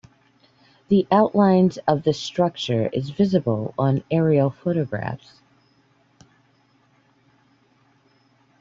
The outlines of this structure is visible on aerial photographs.